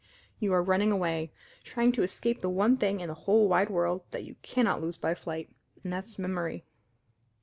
You are running away trying to escape the one thing in the whole wide world that you cannot lose by flight and that's memory.